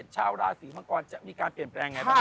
ชาวราศีมังกรจะมีการเปลี่ยนแปลงยังไงบ้าง